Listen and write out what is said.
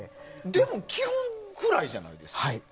でも基本暗いじゃないですか？